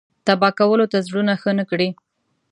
تبا کولو ته زړونه ښه نه کړي.